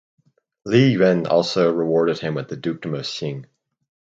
Li Yuan also rewarded him with the Dukedom of Xing.